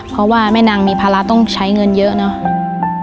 เพราะว่าแม่นางมีภาระต้องใช้เงินเยอะเนาะ